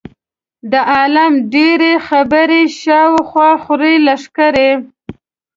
د عالم ډېرې خبرې شا او خوا خورې لښکرې.